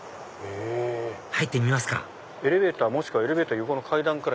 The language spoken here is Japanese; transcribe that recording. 入ってみますか「エレベーターもしくはエレベーター横の階段から」。